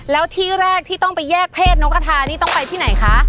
แล้วที่แรกที่ต้องไปแยกเพศนกกระทานี่ต้องไปที่ไหนคะ